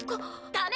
・ダメ！